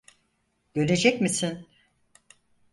Dönecek misin?